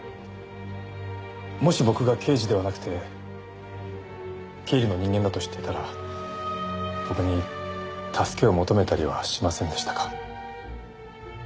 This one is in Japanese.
もし僕が刑事ではなくて経理の人間だと知っていたら僕に助けを求めたりはしませんでしたか？